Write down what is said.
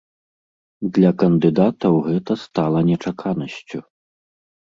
Для кандыдатаў гэта стала нечаканасцю.